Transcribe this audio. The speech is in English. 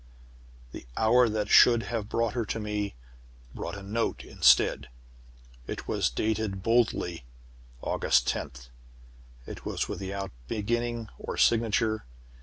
"The hour that should have brought her to me, brought a note instead. It was dated boldly 'August tenth.' It was without beginning or signature.